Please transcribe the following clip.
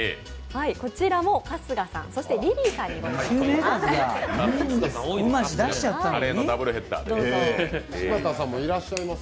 こちらも春日さん、リリーさんにご用意しています。